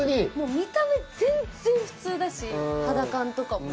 見た目全然普通だし肌感とかも。